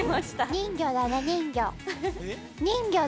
人魚だね、人魚。